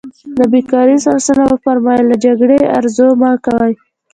نبي کريم ص وفرمايل له جګړې ارزو مه کوئ.